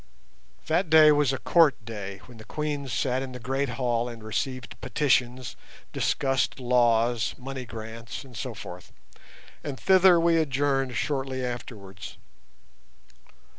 That day was a Court day, when the Queens sat in the great hall and received petitions, discussed laws, money grants, and so forth, and thither we adjourned shortly afterwards.